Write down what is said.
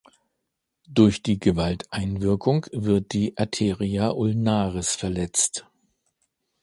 Durch die Gewalteinwirkung wird die Arteria ulnaris verletzt.